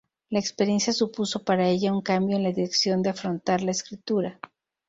La experiencia supuso para ella un cambio en la dirección de afrontar la escritura.